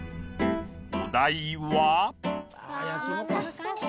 お題は。